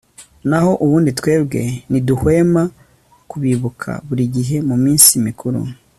naho ubundi, twebwe ntiduhwema kubibuka buri gihe mu minsi mikuru